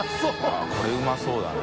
◆舛これうまそうだね。